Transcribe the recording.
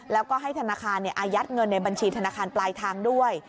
แล้วก็ให้ธนาคารอายัดเงินในบัญชีธนาคารปลายทางด้วย